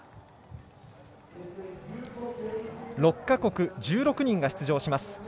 ６か国１６人が出場します。